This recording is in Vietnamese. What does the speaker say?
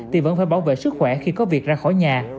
thì vẫn phải bảo vệ sức khỏe khi có việc ra khỏi nhà